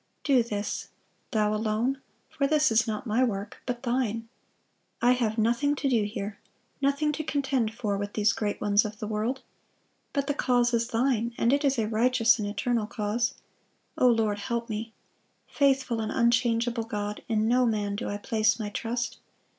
Do this, ... Thou alone; ... for this is not my work, but Thine. I have nothing to do here, nothing to contend for with these great ones of the world.... But the cause is Thine, ... and it is a righteous and eternal cause. O Lord, help me! Faithful and unchangeable God, in no man do I place my trust....